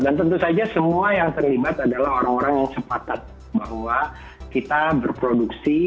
dan tentu saja semua yang terlibat adalah orang orang yang sepatat bahwa kita berproduksi